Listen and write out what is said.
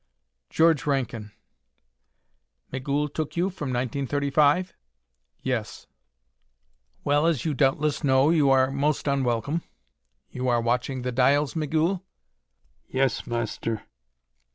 "George Rankin." "Migul took you from 1935?" "Yes." "Well, as you doubtless know, you are most unwelcome.... You are watching the dials, Migul?" "Yes, Master."